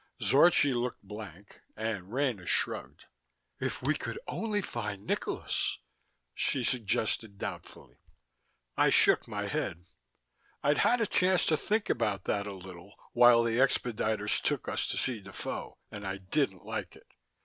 Zorchi looked blank, and Rena shrugged. "If we could only find Nikolas " she suggested doubtfully. I shook my head. I'd had a chance to think about that a little while the expediters took us to see Defoe, and I didn't like it.